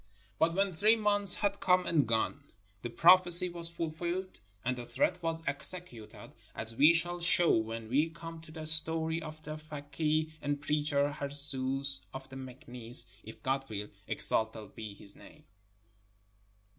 But when three months had come and gone, the prophecy was fuL&lled and the threat was executed, as we shall show when we come to the story of the fakeeh and preacher Harzooz of Meknes, if God wiU — exalted be His name